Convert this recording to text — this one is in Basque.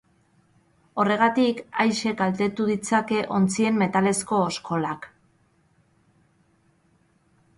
Horregatik, aise kaltetu ditzake ontzien metalezko oskolak.